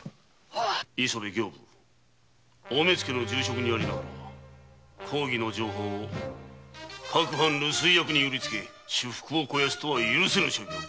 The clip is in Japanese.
磯部刑部大目付の重職にありながら公儀の情報を各藩留守居役に売りつけ私腹を肥やすとは許せぬ所業！